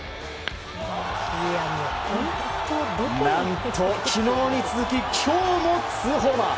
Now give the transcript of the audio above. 何と、昨日に続き今日も２ホーマー。